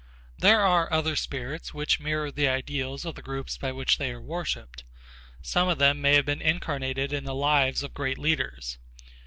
There are other spirits which mirror the ideals of the groups by which they are worshipped. Some of them may have been incarnated in the lives of great leaders.